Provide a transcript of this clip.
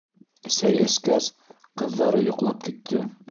Сәй эскәс, ҡыҙҙары йоҡлап китте.